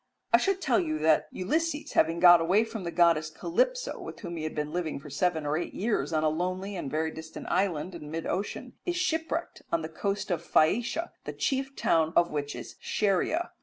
I should tell you that Ulysses, having got away from the goddess Calypso, with whom he had been living for some seven or eight years on a lonely and very distant island in mid ocean, is shipwrecked on the coast of Phaeacia, the chief town of which is Scheria.